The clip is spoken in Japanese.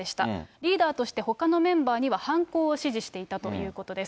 リーダーとしてほかのメンバーには犯行を指示していたということです。